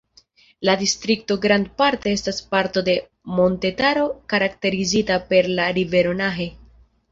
La distrikto grandparte estas parto de montetaro karakterizita per la rivero Nahe.